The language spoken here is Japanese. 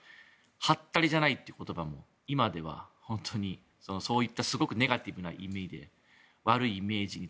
はったりじゃないという言葉も今では本当にそういったすごくネガティブな意味悪いイメージに